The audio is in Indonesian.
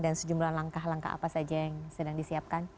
dan sejumlah langkah langkah apa saja yang sedang disiapkan